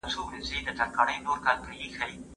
مرستندویان د رئیس لخوا ځان ته نږدې سوي وو.